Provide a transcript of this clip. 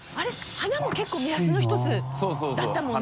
花も結構目安の１つだったもんね？